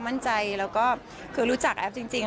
มั่นใจแล้วก็คือรู้จักแอฟจริง